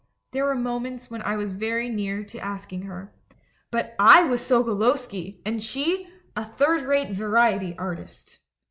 There were moments when I was very near to asking her. But I was Socoloski, and she — a third rate va riety artist.